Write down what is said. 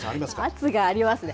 圧がありますね。